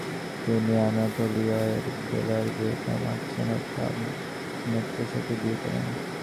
তিনি আনাতোলিয়া এর বেলারবে দামাত সেনাব্ধা আহমেদ পাশাকে বিয়ে করেন।